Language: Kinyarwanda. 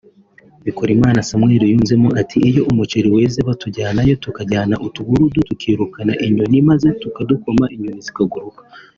Bikorimana Samuel yunzemo ati “iyo umuceri weze batujyanayo tukajyana utugurudu twirukana inyoni maze tukadukoma inyoni zikaguruka